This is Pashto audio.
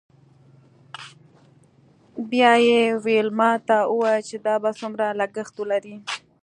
بیا یې ویلما ته وویل چې دا به څومره لګښت ولري